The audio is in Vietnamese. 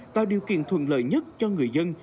tạo điều kiện thuận lợi nhất cho người dân